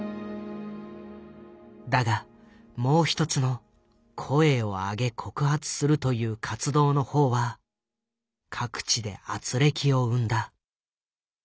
だがもう一つの「声を上げ告発する」という活動の方は各地で軋轢を生んだ。